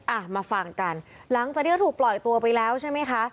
อ่ะมาฟังกันหลังจากที่ถูกปล่อยตัวไปแล้วใช่ไหมคะ